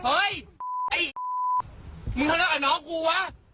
พี่หยุดน้องผม